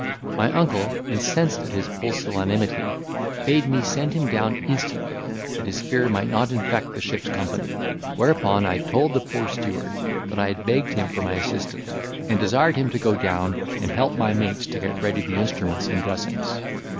My uncle, incensed at his pusillanimity, bade me send him down instantly, that his fear might not infect the ship's company; whereupon I told the poor steward that I had begged him for my assistant, and desired him to go down and help my mates to get ready the instruments and dressings.